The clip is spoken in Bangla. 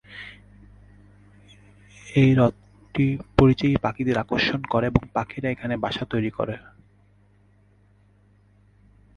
এই হ্রদটি পরিযায়ী পাখিদের আকর্ষণ করে এবং পাখিরা এখানে বাসা তৈরি করে।